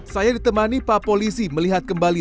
saya ditemani pak polisi melihat kembali